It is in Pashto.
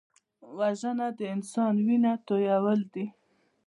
وژنه د انسان وینه تویول دي